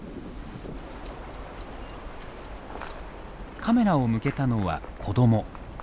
カメラを向けたのは子ども。